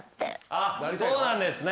あっそうなんですね。